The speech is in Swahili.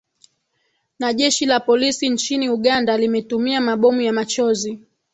na jeshi la polisi nchini uganda limetumia mabomu ya machozi